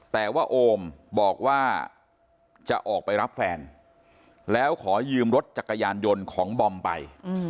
แต่ว่าโอมบอกว่าจะออกไปรับแฟนแล้วขอยืมรถจักรยานยนต์ของบอมไป